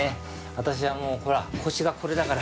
私はもうほら腰がこれだから。